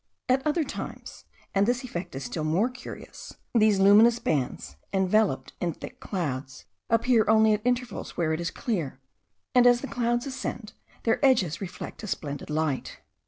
At other times (and this effect is still more curious) these luminous bands, enveloped in thick clouds, appear only at intervals where it is clear; and as the clouds ascend, their edges reflect a splendid light.